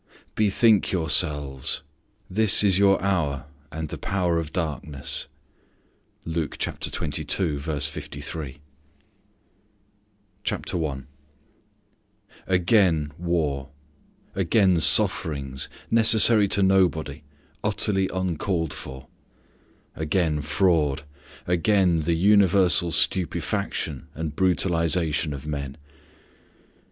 "BETHINK YOURSELVES!" "This is your hour, and the power of darkness." Luke xxii. 53. I Again war. Again sufferings, necessary to nobody, utterly uncalled for; again fraud; again the universal stupefaction and brutalization of men.